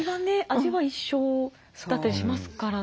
味は一緒だったりしますからね。